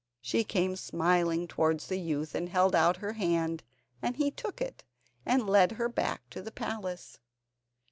She came smiling towards the youth, and held out her hand, and he took it and led her back to the palace.